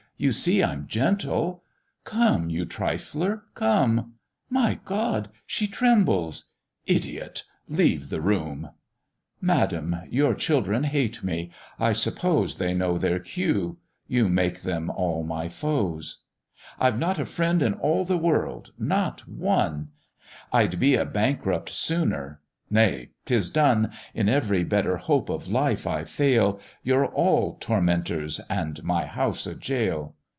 You see I'm gentle Come, you trifler, come: My God! she trembles! Idiot, leave the room! Madam; your children hate me; I suppose They know their cue; you make them all my foes: I've not a friend in all the world not one: I'd be a bankrupt sooner; nay, 'tis done; In every better hope of life I fail, You're all tormentors, and my house a jail.